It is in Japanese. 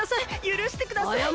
ゆるしてください。